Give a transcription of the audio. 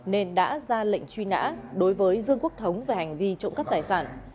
nên đã ra lệnh truy nã đối với dương quốc thống về hành vi trộm cắp tài sản